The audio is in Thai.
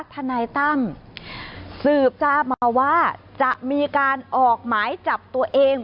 ทนายตั้มสืบทราบมาว่าจะมีการออกหมายจับตัวเอง